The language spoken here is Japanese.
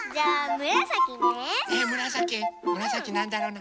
むらさきなんだろうな。